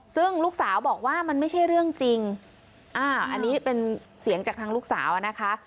ซึ่งลูกสาวบอกว่ามันไม่ใช่เรื่องจริงอันนี้เป็นเสียงจากทางลูกสาวอะนะคะ